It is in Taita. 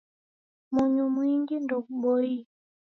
Munyu mwingi ndeghuboie